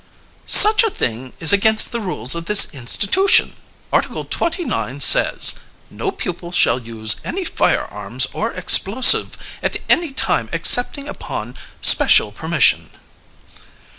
"Such a thing is against the rules of the institution. Article 29 says, 'No pupil shall use any firearms or explosive at any time excepting upon special permission'."